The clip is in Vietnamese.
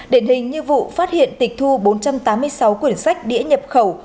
đền hình như vụ phát hiện tịch thu bốn trăm tám mươi sáu quyển sách đĩa nhập khẩu